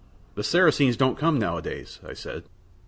"The Saracens don't come nowadays," I said.